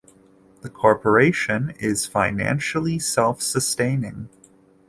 The Corporation is financially self-sustaining.